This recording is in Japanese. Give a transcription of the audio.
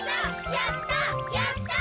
やったやった！